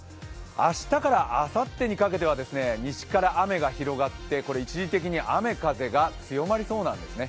明日からあさってにかけては西から雨が広がって一時的に雨風が強まりそうなんですね。